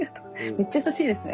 めっちゃ優しいですね。